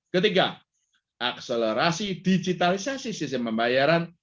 ketiga akselerasi digitalisasi sistem pembayaran